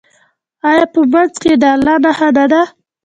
آیا په منځ کې یې د الله نښه نه ده؟